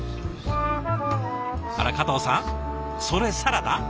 あら加藤さん？それサラダ？